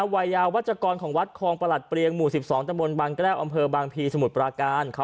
วัยยาวัชกรของวัดคลองประหลัดเปรียงหมู่๑๒ตะบนบางแก้วอำเภอบางพีสมุทรปราการ